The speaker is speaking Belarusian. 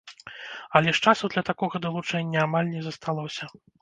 Але ж часу для такога далучэння амаль не засталося.